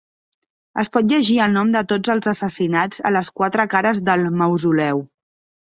Es pot llegir el nom de tots els assassinats a les quatre cares del mausoleu.